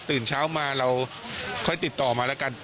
ตื่นเช้ามาเราค่อยติดต่อมาแล้วกัน